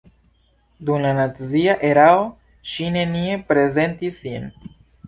Dum la nazia erao ŝi nenie prezentis sin.